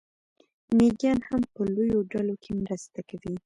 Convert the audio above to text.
مېږیان هم په لویو ډلو کې مرسته کوي.